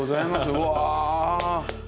うわ！